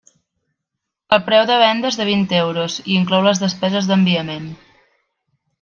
El preu de venda és de vint euros i inclou les despeses d'enviament.